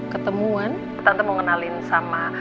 ketemuan petani mau ngenalin sama